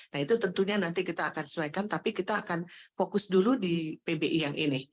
nah itu tentunya nanti kita akan sesuaikan tapi kita akan fokus dulu di pbi yang ini